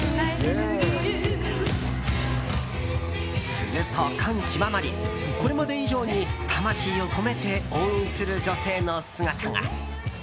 すると、感極まりこれまで以上に魂を込めて応援する女性の姿が。